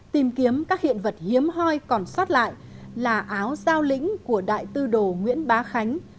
tìm kiếm các hiện vật hiếm hoi còn sót lại là áo giao lĩnh của đại tư đồ nguyễn bá khánh